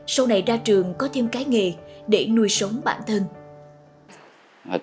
sau này ra trường có thêm cái nghề để nuôi sống bản thân